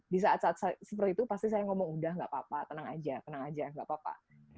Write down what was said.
di saat saat seperti itu pasti saya ngomong udah gak apa apa tenang aja tenang aja nggak apa apa